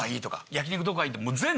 焼き肉どこがいい？